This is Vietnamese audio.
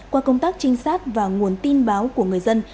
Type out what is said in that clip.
qua công tác trinh sát và nguồn tin báo của người dân